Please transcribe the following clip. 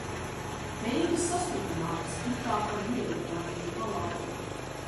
Beigas sastrupinātas, it kā par vieglprātīgu balādei.